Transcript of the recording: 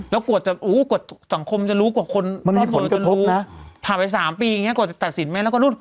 แล้วกรวดจับอูตอนคมจะรู้กว่าคนบ่อยรู้น่ะพาไป๓ปีอย่างนี้ก็จะตัดสินไหน